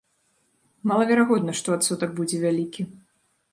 Малаверагодна, што адсотак будзе вялікі.